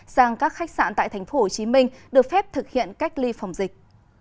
sang các khách sạn tại tp hcm được phép thực hiện cách ly phòng dịch